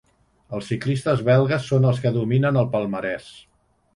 Els ciclistes belgues són els que dominen el palmarès.